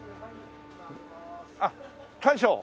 あっ大将。